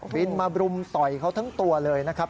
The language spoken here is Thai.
บินมารุมต่อยเขาทั้งตัวเลยนะครับ